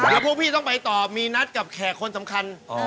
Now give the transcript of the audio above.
แล้วพวกพี่ต้องไปต่อมีนัดกับแขกคนสำคัญ